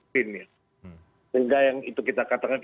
sehingga yang kita katakan